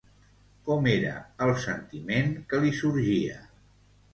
Com era el sentiment que li sorgia?